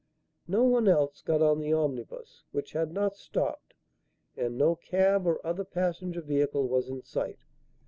No one else got on the omnibus which had not stopped and no cab or other passenger vehicle was in sight.